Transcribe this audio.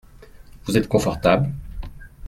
Vous êtes confortable ?